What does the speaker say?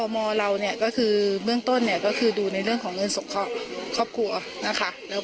แม่ก็จะดูเรื่องของการปรับคุมบ้านให้